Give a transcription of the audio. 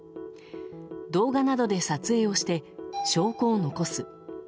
動画などで撮影をして証拠を残す。